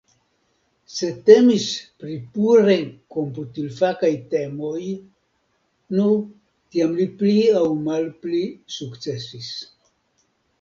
Se temis pri pure komputilfakaj temoj, nu tiam li pli aŭ malpli sukcesis.